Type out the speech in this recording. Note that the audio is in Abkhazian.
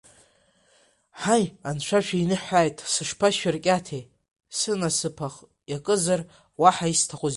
Ҳаи, Анцәа шәиныҳәааит, сышԥашәыркьаҭеи, сынасыԥах иакызар уаҳа исҭахузеи!